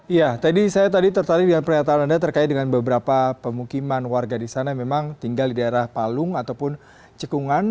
iya tadi saya tadi tertarik dengan pernyataan anda terkait dengan beberapa pemukiman warga di sana yang memang tinggal di daerah palung ataupun cekungan